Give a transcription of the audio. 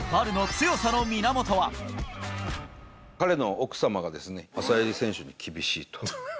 彼の奥様が、アサエリ選手に厳しいと。